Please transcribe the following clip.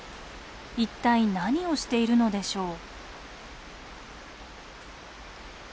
一体何をしているのでしょう。